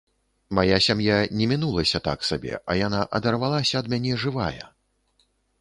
Мая сям'я не мінулася так сабе, а яна адарвалася ад мяне жывая.